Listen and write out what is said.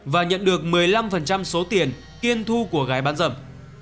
và nhận được một mươi năm số tiền kiên thu của gái bán dâm